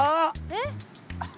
えっ？